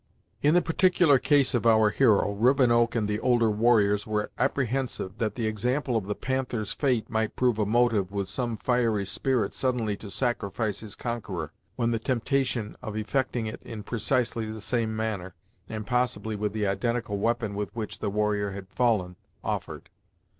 In the particular case of our hero, Rivenoak and the older warriors were apprehensive that the example of the Panther's fate might prove a motive with some fiery spirit suddenly to sacrifice his conqueror, when the temptation of effecting it in precisely the same manner, and possibly with the identical weapon with which the warrior had fallen, offered.